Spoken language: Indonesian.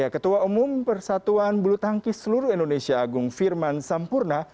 ketua umum persatuan bulutangkis seluruh indonesia agung firman sampurna